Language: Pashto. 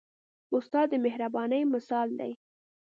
استاد د مهربانۍ مثال دی.